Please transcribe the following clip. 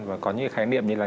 và có những khái niệm như là